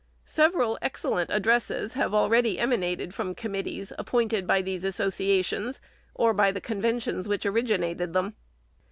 Several excellent addresses have already emanated from committees, ap pointed by these associations, or by the conventions which originated them.